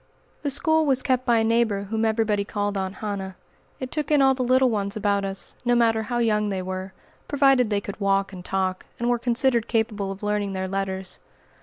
The school was kept by a neighbor whom everybody called "Aunt Hannah." It took in all the little ones about us, no matter how young they were, provided they could walk and talk, and were considered capable of learning their letters.